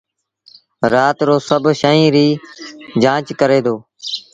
رآت رو سڀ شئيٚن ريٚ جآݩچ ڪري دو۔